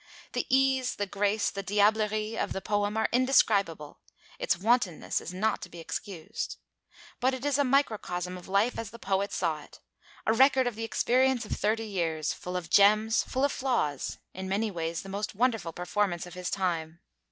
The ease, the grace, the diablerie of the poem are indescribable; its wantonness is not to be excused. But it is a microcosm of life as the poet saw it, a record of the experience of thirty years, full of gems, full of flaws, in many ways the most wonderful performance of his time.